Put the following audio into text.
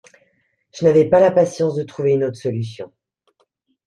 Je n'avais pas la patience de trouver une autre solution.